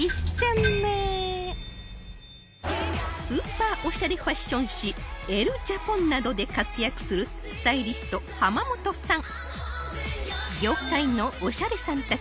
スーパーオシャレファッション誌『ＥＬＬＥＪＡＰＯＮ』などで活躍するスタイリスト濱本さん